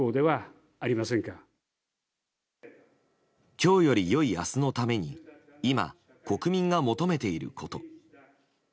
今日より良い明日のために今、国民が求めていること。